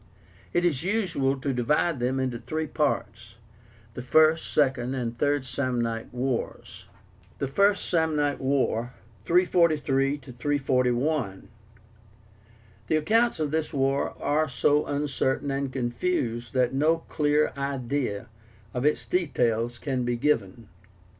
It is usual to divide them into three parts, the First, Second, and Third Samnite Wars. THE FIRST SAMNITE WAR (343 341). The accounts of this war are so uncertain and confused that no clear idea of its details can be given.